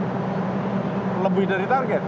profit lebih dari target